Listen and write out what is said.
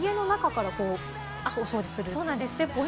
家の中からお掃除する。